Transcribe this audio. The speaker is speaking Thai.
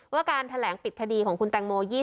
การแถลงปิดคดีของคุณแตงโม